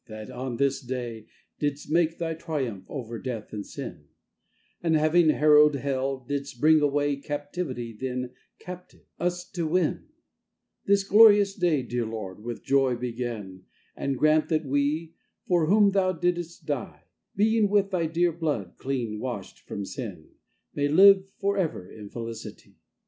that on this day Didst make thy triumph over death and sin; And, having harrowed hell, didst bring away Captivity then captive, us to win: This glorious day, dear Lord, with joy begin, And grant that we, for whom thou diddest die, Being with thy dear blood clean washed from sin, May live for ever in felicity!